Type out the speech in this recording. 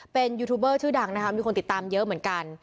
เป็นยูทูบเบอร์ชื่อดังนะคะมีคนติดตามเยอะเหมือนกัน